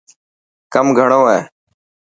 ڪم گھڻو هي.